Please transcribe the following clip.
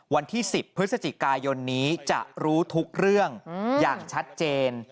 วันที่๑๐พฤศจิกายนนี้จะรู้ทุกเรื่องอย่างชัดเจน